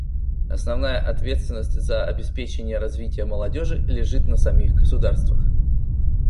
Основная ответственность за обеспечение развития молодежи лежит на самих государствах.